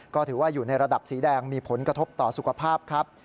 ก็ถือว่าอยู่ในระดับสีแดงมีผลกระทบต่อสุขภาพครับ